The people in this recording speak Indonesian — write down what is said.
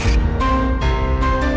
listen ya denger